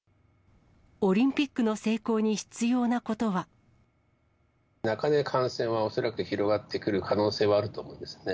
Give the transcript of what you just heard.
オリンピックの成功に必要な中で感染は恐らく広がってくる可能性はあると思うんですね。